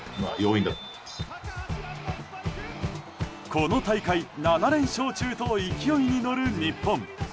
この大会７連勝中と勢いに乗る日本。